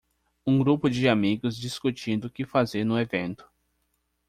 Um grupo de amigos discutindo o que fazer no evento.